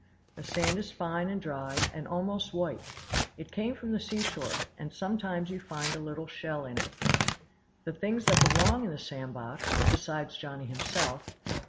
The sand is fine and dry, and almost white; it came from the seashore, and sometimes you find a little shell in it. The things that belong in the sand box (beside Johnny himself!)